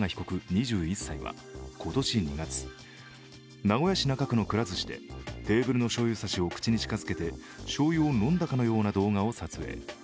２１歳は今年２月、名古屋市中区のくら寿司でテーブルのしょうゆ差しを口に近づけてしょうゆを飲んだかのような動画を撮影。